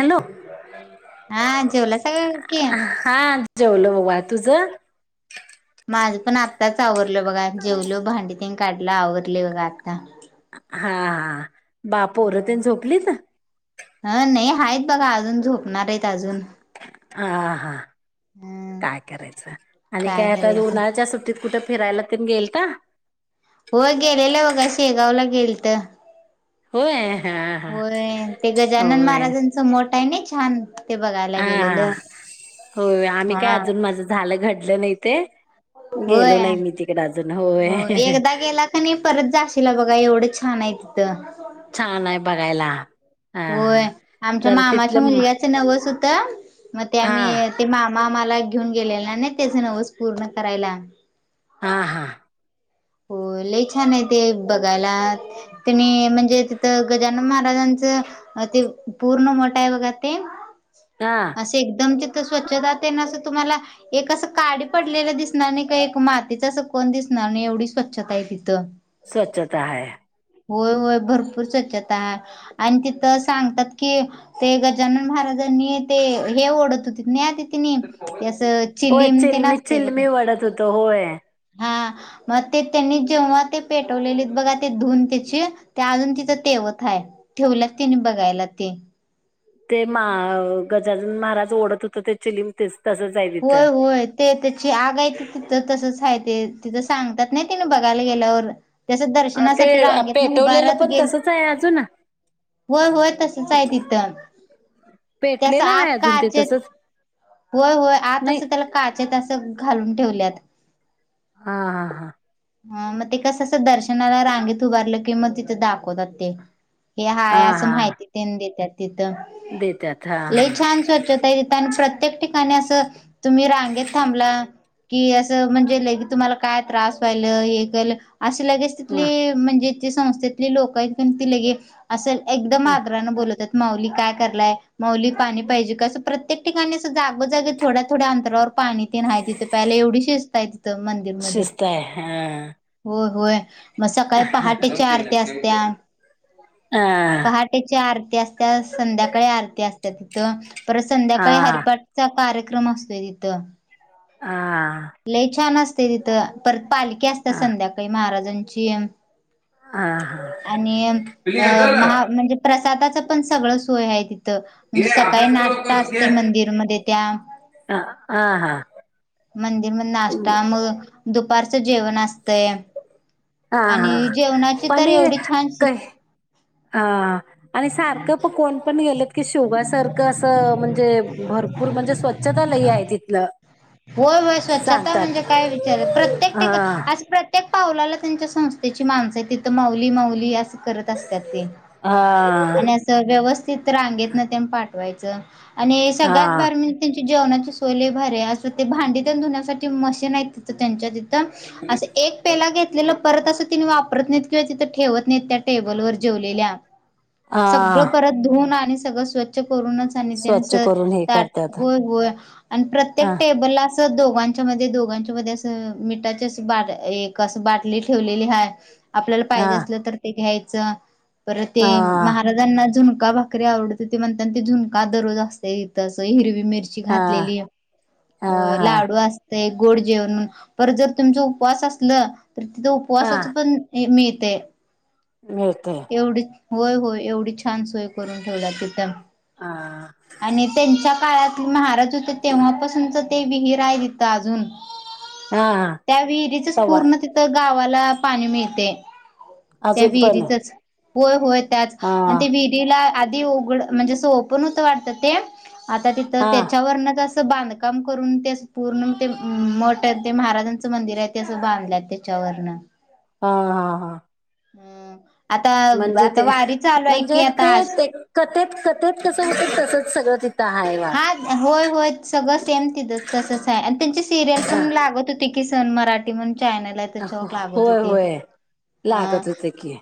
Hello हा जेवलासा का ग अक्की हा जेवलो बघ वा तुझ माझं पण आत्ताच आवरलं बघा जेवलो भांडी तेन काढलं आवरले बघा आता हा हा बा पोर तेन झोपलीत हं नही आहेत बघा अजून झोपणार येत अजून आ हा हम्म काय करायचं आणि काय आता ल उन्हाळच्या सुट्टीत कुठं फिरायला तेण गेलता हो गेलेला बघा शेगाव ला गेलत. होय. हा हा होय ते गजानन होय महाराजांचं मठ हाय नय छान ते बघायला हा हा गेलेलं हो आम्ही हा काय अजून माझं झालं घडलं नाही ते होय गेलो नाही मी तिकडे अजून हो होय एकदा गेला कनी परत जास तिला बघा एवढं छान हाय तिथं छान हाय बघायला. हा होय हा आमच्या जर मामाच्या तिथलं म मुलग्याच नवस होतं म ते हा आम्ही ते माम मामाला घेऊन गेलेला ना तेच नवस पूर्ण करायला. हा हा हो लई छान आहे ते बघायला तेनी म्हणजे तिथं गजानन महाराजां चं ते पूर्ण मठ आहे बघा ते हा असे एकदम स्वच्छता तेन अस तुम्हाला एक अस काडी पडलेला दिसणार नाय का एक मातीचा अस कोण दिस आणि एवढी स्वच्छताय तिथं स्वच्छता हाय. होय होय भरपूर स्वच्छता हा आणि तिथं सांगतात की ते गजानन महाराज त्यांनी ते हे ओढत होती न्या तिथि नी ते असं चिलीम तेण असतंय बघा. त होय. हा मग ते त्यांनी जेव्हा ते पेटवलेलेत बघा ते धुवून ते ते ते अजून तिथ तेवत हाय ठेवलत तिन बघायला ते ते मा गजाजन महाराज ओढत होत ते चिलिम तेच. तसंच आहे तिथं. होय होय ते त्याची आगा हाय तिथं तसंच हाय ते तिथं सांगतात नाही. तिने बघायला गेल्यावर त्याच अ ते दर्शनासाठी रांगेतन पेटवलेलं हुभारत पण गेल. तसच आहे अजून होय होय तसच आहे तिथं. त्याच्या पेटलेलं आहे आत अजून ते काचेत. तसच होय होय आत अस नाही त्याला काचेतं अस घालून ठेवल्यात. हा हा हा. ह मग ते कसं अस दर्शनाला रांगेत उभारलं की मग तिथं दाखवतात ते. हे हा हाय असं हा हा माहिती तेन् देतात तिथं, देतात हा लई छान स्वच्छता. तान् प्रत्येक ठिकाणी असं तुम्ही रांगेत थांबला कि असं म्हणजे लई तुम्हाला काय त्रास व्हायल, हे केल असं लगेच हा तिथले म्हणजे जे संस्थेतले लोक आहेत पण ती लगे असं एकदम ह आदरानें बोलवतात. माऊली काय करलाय? माऊली पाणी पाहिजे का? असं प्रत्येक ठिकाणी जागोजागी थोड्या थोड्या अंतरावर पाणी तेन आहे तिथे प्यायला. एवढी शिस्त आहे. तिथं मंदिर मध्ये शिस्त आहे हा होय होय. मग सकाळी पहाटेच्या आरती असतीय. हा पहाटेची आरती असती. संध्याकाळी आरती असती तिथं परत हा संध्याकाळी हरिपाठचा कार्यक्रम असतोय. तिथं हा लय छान असते तिथं परत पालखी असतीय हा संध्याकाळी महाराजांची हा हा आणि अ महा म्हणजे प्रसादाचं पण सगळं सोय आहे. तिथ म्हणजे घे सकाळी अभ्यास करू नाश्ता नकोस घे. असतो. मंदिरमध्ये त्या ह हा हा मंदिर मध्ये नाश्ता, मग दु जेवण असतं हा हा आणि जेवणाची पण तर एवढी छान काय हा आणि सारखं पकवान कोण पण गेलत की शेवगा सारखं असं म्हणजे भरपूर भरपूर म्हणजे स्वच्छता लय आहे तिथं होय, होय स्वच्छता म्हणजे काय विचार, प्रत्येक ठिकाणी हा आज प्रत्येक पावलाला त्यांच्या संस्थेची माणसं आहे तिथं माऊली माऊली अस करत असतात ते हा आणि असं व्यवस्थित रांगेतन तेन पाठवायचं. आणि सगळ्यात हा. भारी म्हणजे त्यांची जेवणाची सोय लय भारी आहे. असं ते भांडीतेन धुण्यासाठी मशीन आहेत. त्यांच्या तिथ अस एक पेला घेतलेला परत अस ती वापरत नाहीत. तिथ ठेवत नाही त्या टेबलवर जेवलेल्या सगळं हा परत ससळ स्वच्छ करूनच स्वच्छ करून हे ताट आणि करतात होय होय आणि हा प्रत्येक ला असं दोघांच्या मध्ये दोघांच्या मध्ये असं मिठाची अस बाट एक असं बाटली ठेवलेली आहे. आपल्याला हा पाहिजे असलं तर ते घ्यायचं, परत ते हा महाराजांना अजून झुणका भाकरी आवडत होती म्हणुन तिथ झुणका दररोज असतोय. तिथ हिरवी मिरची हा घातलेली. हा हो हा लाडू असतोय. गोड जेवण म्हणुन परत जर तुमचा उपवास असला तर तिथं हा उपवासाच पण मिळतय. मिळतय. एवढी होय होय एवढी छान सोय करून ठेवलीया तिथं हा आणि त्यांच्या काळात महाराज होते. तेव्हापासूनच ते विहीर आहे तिथ अजून हा त्या विहिरीचच तवा पूर्ण तिथं गावाला पाणी मिळते. त्या अजून पण विहिरीचच होय होय त्याच हा आणि त्या विहिरीला आधी उघड म्हणजे अस ओपन होत वाटतं ते आता तिथं हा त्याच्यावरनच बांधकाम करून ते पूर्ण ते मठ ते महाराजांचं मंदिर आहे ते असं बांधलं त्याच्यावर वरन हा, हा, हा हं म्हणजे ते म्हणजे आता ते आश ते कथेत कथेत कसं हो तसच सगळं तिथ हा होय होय सगळं सेम तिथ तसच आहे. त्यांची सिरीयल पण हा. लागत होती की सन मराठी म्हणून चॅनेल आहे हो- त्याच्यावर लागत होय होते होय हा लागत होते की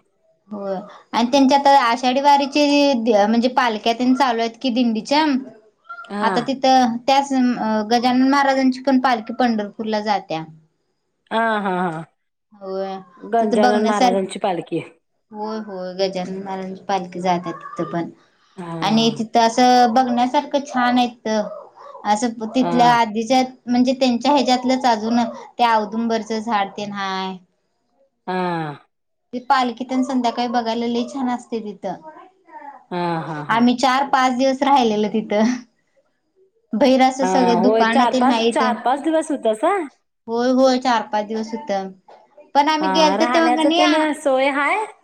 होय आणि त्यांच्या आता आषाढी वारी ची म्हणजे पालख्या तेन चालू आहेत की दिंडीच्या हा आता तिथं त्याचं अ गजानन महाराजांची पण पालखी पंढरपूरला जात्या. हा हा हा होय तिथं गंजानन बघण्यासारखं महाराजांची पालखी होय होय गजानन महाराजांची पालखी जात्यात. तिथं पण हा आणि तिथं असं बघण्यासारखं छान आहे त असं हा तिथल्या आधीच्या म्हणजे त्यांच्या ह्याच्यातलंच अजून त्या औदुंबरच झाड ते हाय. हा ते पालखी तेन संध्याकाळी बघायला लई छान असतय तिथं. हा हा हा आम्ही चार पाच दिवस राहिलेलं तिथं. भहेर अस हा सगळं होय दुकान चार तेन पाच हायेत. चार पाच दिवस होतसा होय होय चार पाच दिवस होतं पण आम्ही हा गेलतो तेव्हा राहण्याच कणी ते ना सोय हाय -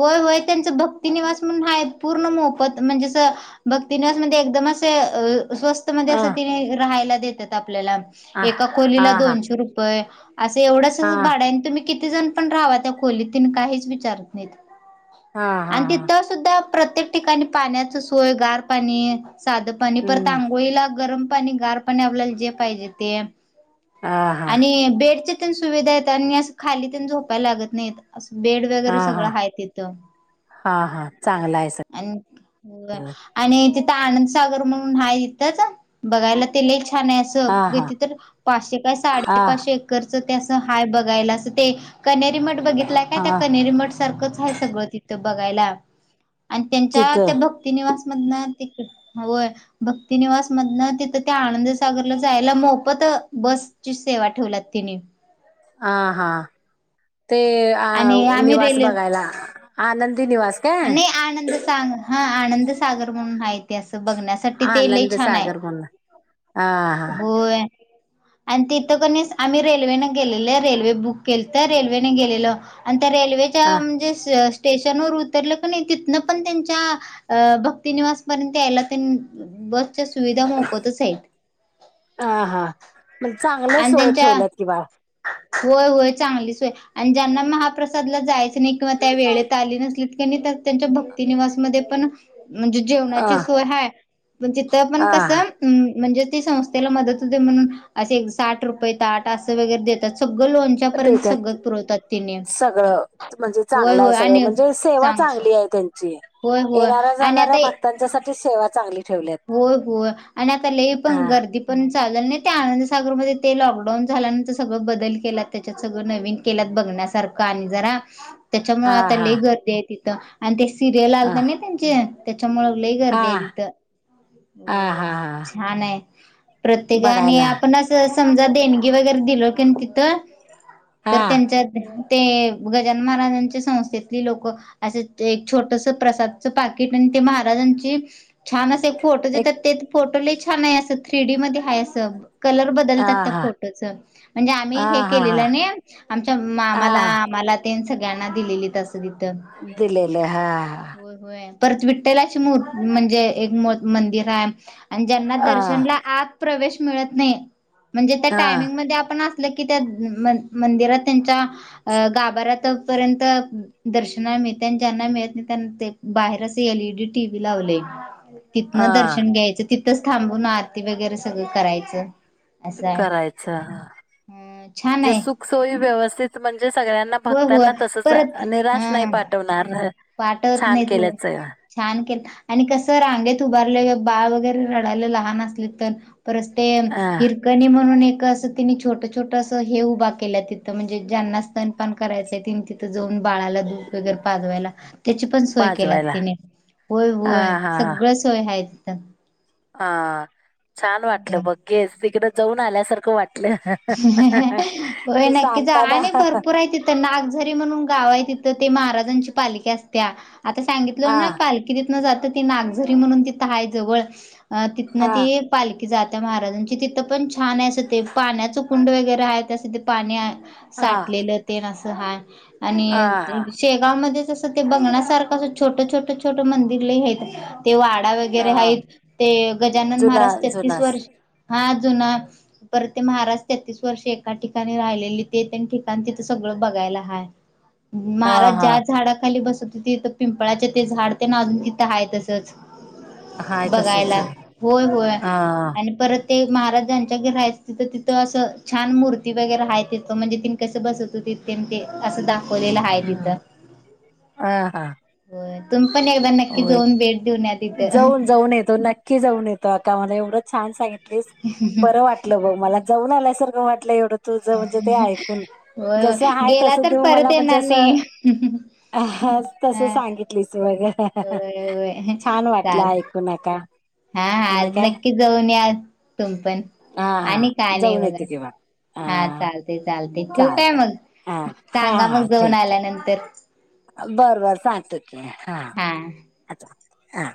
होय होय त्यांच भक्तीनिवास म्हणून आहेत. पूर्ण मोफत म्हणजे असं भक्ती निवास म्हणजे एकदम अस अ- स्वस्त मध्ये ह असं तिने राहायला देतात आपल्याला हा एका हा खोलीला हा दोनशे रुपये. असं एवढंसच भाड हा आहे. तुम्ही किती जण पण राहावा, त्या खोलीत तिन काहीच विचारत नाहीत. हा आणि तिथं सुद्धा प्रत्येक ठिकाणी पाण्याची सोय गार पाणी साधं पाणी परत हम्म आांघोळीला गरम पाणी, गार पाणी आपल्याला जे पाहिजे ते. हा हा आणि बेडच्या पण सुविधा आहेत आणि अस खाली झोपायला लागत नाही अस. बेड हा वगैरे सग - गळ हा हाय तिथ हा हा चांगला आहे सर आणि आनंदसागर म्हणून हा. इथंच बघायला ते लयी छान छान हा हा असती तर, पाचशे काय हा साडे पाचशे एकर- हाय बघायला तस असं ते. कणेरी मठ बघितला काय? हा कणेरी मठ सगळ तिथ बघायला आणि त्यांच्या तिथं त्या भक्ती निवास त भक्तीनिवास मधन तिथं त्या आनंदसागरला जायला मोफत बसची सेवा ठेवलाय तिने अ हा. ते अ आणि आम्ही -निवास बघायला. ते आनंद नाही आनंद, हा आनंद सागर म्हणून आहे तेि अस बघण्यासाठी. ते लई आनंद छान आहे. सागर म्हणून हा हा. होय आणि तिथं कनी आम्ही रेल्वेने गेलेलो. रेल्वे बुक केलंत रेल्वेने गेलेलो. आम्ही - तर रेल्वेच्या हा म्हणजे स्टेशन वर उतरलं की नाही, तिथनं पण त्यांच्या भक्तीनिवास पर्यंत यायला बस च्या सुविधा मोफतच आहेत. हा हा म्हणज चांगलं आणि सोय त्यांच्या ठेवल्यात किं बा- होय होय चांगली सोय आणि ज्यांना महाप्रसादला जायच किंवा त्या वेळेत आली नसली त्यांच्या भक्तीनि वासमध्ये पण म्हणजे अ जेवणाची सोय हाय. पण तिथं पण हा कसं म्हणजे संस्थेला मदत होते म्हणून साठ रुपये ताट अस वगैरे देतात. सगळ लोणच्या पर्यंत सगळ देत्यात पुरवतात तिने. सगळं म्हणजे होय चांगलं आहे होय सगळं आणि म्हणजे सेवा चांग चांगली आहे त्यांची. येणाऱ्या आणि जाणाऱ्या आता भक्तांच्या साठी सेवा चांगली. ठेवल्यात होय होय आणि आता लई पण हा गर्दी पण चा नाही ते. आनंदसागर मध्ये ते लॉकडाऊन झाल्यानंतर सगळं बदल केलात त्याच्यात सगळं नवीन केलात बघ. बघण्यासारखं आणि जरा त्याच्यामुळे हा आता हा लई गर्दी आहे तिथं आणि ते सिरियल हा आलं तर ना त्यांचे त्याच्यामुळे लई गर्दी आहे हा तिथं. हा होय. हा हा छान आहे. प्रत्येकाने बघायला आपण अस - समजा देणगी वगैरे दिल की तिथ. हा तर त्यांच्या- ते गजानन महाराजांच्या संस्थेतली लोकं असं एक छोटस प्रसादचं पाकिट - महाराजांची छान अस फोटो एक देतात. ते फोटोला छान आहे अस- थ्रीडी मध्ये आहे. असं कलर हा बदलतात त्या हा फोटोच, म्हणजे आम्ही हा हे हा हा केलेलं न- आमच्या मामाला हा आम्हाला ते सगळ्यांना दिलेली अस- दिलेल. हा ह. होय होय परत विठ्ठलाची मू म्हणजे एक मंदिर आहे. आणि ज्यांना हा दर्शनला आत प्रवेश मिळत नाही म्हणजे त्या हा टायमिंगमध्येआपण- क त्या मंदिरात त्यांच्या गाभाऱ्यापर्यन्त दर्शना- ज्यांना मिळत नाही त्यांना बाहेरच एल ई डी टीव्ही लावले. हा तिथनं दर्शन घ्यायचं. तिथंच थांबून आरती वगैरे सगळं करायचं. करायचं हा. हं छान- जे आहे सुख सोयी व्यवस्थित म्हणजे सगळ्यांना होय होय भक्तांना तसच परत निराश नाही हा पाठवणार. वाटत छान नाही ो केल्याच छान आणि कस रांगेत उभारलं बाळ वगैरे रडायलं लहान असले तर परच ते अ हिरकणी म्हणून एक ं तिने छोट छोट असं हे उभा केल्या तिथं म्हणजे ज्यांना स्नपान करायंय तिनी तिथं जाऊन बाळाला दूध वगैरे पाजवायला त्याची पण सोय केला पाजवायला तिने होय हा होय हा हा सगळ सोय हथ हा छान वाटलं बघेच तिकडें जाऊन आल्यासारखं वाट होय नक्की जा सांगताना आणि भरपूर आहे तिथं नागझरी म्हणून गाव आहे तिथ तर ते महाराजांची पालिकी असत्या आता सांगितलं हा ना पालखी जात त नागझरी म्हणून तय जवळ तिथन हा पाल की जात्या महाराजांची तिथं पण छान आहे असं ते पाण्याचं कुंड वगैरे आहे त्यासाठी पाणी आहे हा साठलेलं तें हाय हा आणि शेगावमध्ये तस ते बंगण्यासारखं अस छोट छोट छोट मंदिर ल आहेत ते वाडा वगैरे हा आहेत ते गजानन जुना महाराज छत्तीस जुना वर्ष हा जु पर ते महाराष्ट्र तेतीस वर्ष एका ठिकाणी राहिलेली ते ठिकाण तिथं सगळं बघायला हा हा महाराज हा ज्या झाडाखाली बसत होती तर पिंपळाचे ते झाड ते ना अजून तिथं आहेय तसंच हाय तसच बघायला होय होय हा आणि परत ते महाराजांच्या घर आहे तिंथ असं छान मूर्ती वगैरे आहे तिथ म्हणजे तिन कसं बसवतो तिथे ते असंा लेलं आहे तिथं हम्म बर हो तिथं. जाऊन जाऊन येतो नक्की जाऊन येतोकामाला एवढंच छान सांगितलीस बरं वाटलं बघ मला जाऊन आल्यासारखं वाटलं एवढं तुझ म्हणजे ते ऐकून होय जस होय आहे गेला तसं तर तू परत मला म्हणजे येणार असं नाही. अ तसं सांगितलीच वगैरे होय होय छान वाटलं चाल ऐकू नका हा आणि आज काय नक्की जाऊन या तुम पण हा आणि हा काय नाही जाऊन येतो वगर किंवा हा चालते चालते ठेव काय चालतय मग हा हा सांगा मग जाऊन आल्यानंतर बरं बरं सांगत क हा आ हा